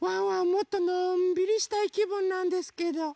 もっとのんびりしたいきぶんなんですけど。